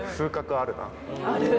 ある！